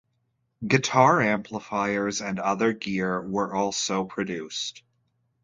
Guitar amplifiers and other gear were also produced.